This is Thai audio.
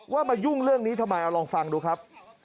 มายุ่งเรื่องนี้ทำไมเอาลองฟังดูครับ